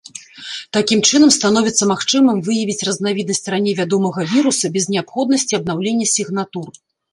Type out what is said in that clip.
Такім чынам становіцца магчымым выявіць разнавіднасць раней вядомага віруса без неабходнасці абнаўлення сігнатур.